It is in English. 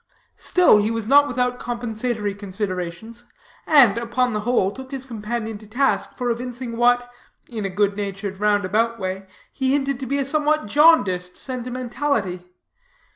Still, he was not without compensatory considerations, and, upon the whole, took his companion to task for evincing what, in a good natured, round about way, he hinted to be a somewhat jaundiced sentimentality.